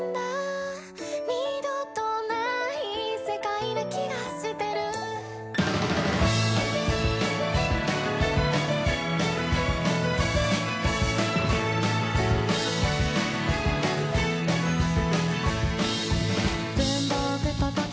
「二度とない世界な気がしてる」「文房具と時計